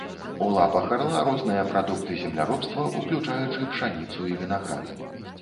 У лапах арла розныя прадукты земляробства, уключаючы пшаніцу і вінаград.